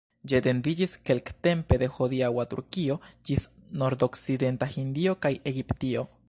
Ĝi etendiĝis kelktempe de hodiaŭa Turkio ĝis nordokcidenta Hindio kaj Egiptio.